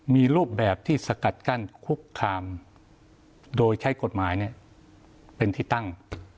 มีรูปแบบที่สกัดกั้นคุกคามโดยใช้กฎหมายเป็นที่ตั้ง